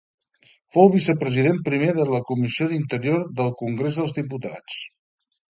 Fou vicepresident Primer de la Comissió d'Interior del Congrés dels Diputats.